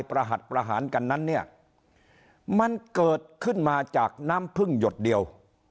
ประหัสประหารกันนั้นเนี่ยมันเกิดขึ้นมาจากน้ำพึ่งหยดเดียว